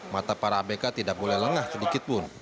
mata para abk tidak boleh lengah sedikit pun